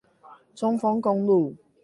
中豐公路